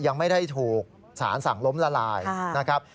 ยังไม่ได้ถูกสารสั่งล้มละลายนะครับ